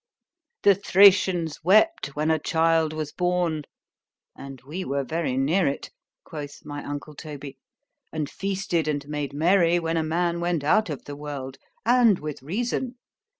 "The Thracians wept when a child was born,"—(and we were very near it, quoth my uncle Toby,)—"and feasted and made merry when a man went out of the world; and with reason.